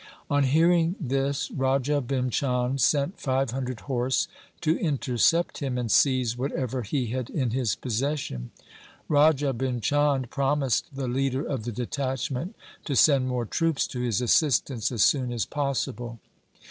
On hearing this Raja Bhim Chand sent five hundred horse to intercept him and seize whatever he had in his possession. Raja Bhim Chand promised the leader of the detachment to send more troops to his assistance as soon as possible.